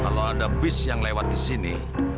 kalau ada bis yang lewat disini